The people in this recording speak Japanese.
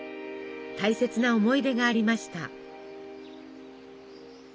大切な思い出がありました。